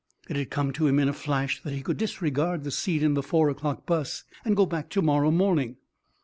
It had come to him in a flash that he could disregard the seat in the four o'clock bus and go back to morrow morning.